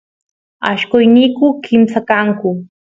allqosniyku kimsa kanku